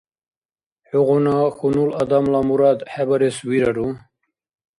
ХӀугъуна хьунул адамла мурад хӀебарес вирару?